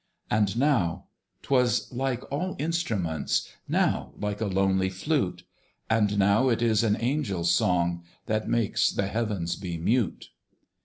And now 'twas like all instruments, Now like a lonely flute; And now it is an angel's song, That makes the Heavens be mute.